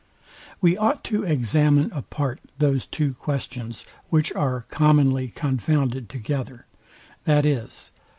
We ought to examine apart those two questions, which are commonly confounded together, viz.